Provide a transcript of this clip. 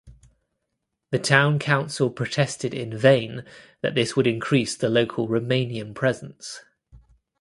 The town council protested in vain that this would increase the local Romanian presence.